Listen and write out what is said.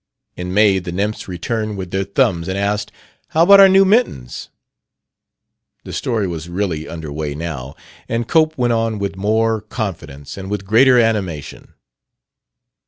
"In May the nymphs returned with their thumbs and asked, 'How about our new mittens?'" The story was really under way now, and Cope went on with more confidence and with greater animation.